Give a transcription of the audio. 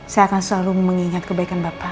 saya akan selalu mengingat kebaikan bapak